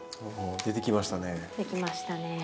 出てきましたね。